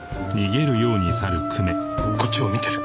こっちを見てる。